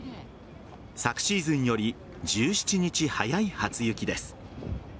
昨シーズンより１７日早い初雪です。